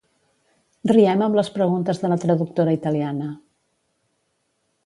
Riem amb les preguntes de la traductora italiana.